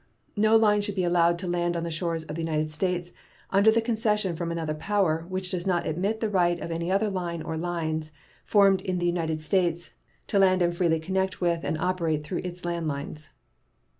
No line should be allowed to land on the shores of the United States under the concession from another power which does not admit the right of any other line or lines, formed in the United States, to land and freely connect with and operate through its land lines.